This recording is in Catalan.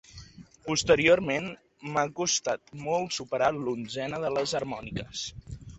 Posteriorment m'ha costat molt superar l'onzena de les harmòniques.